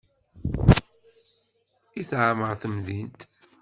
I teɛmer temdint.